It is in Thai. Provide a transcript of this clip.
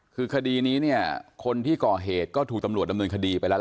คือคดีนี้เนี่ยคนที่ก่อเหตุก็ถูกตำรวจดำเนินคดีไปแล้วล่ะ